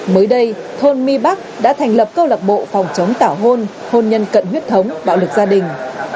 mới đây thôn my bắc đã thành lập câu lạc bộ phòng chống tảo hôn hôn nhân cận huyết thống bạo lực gia đình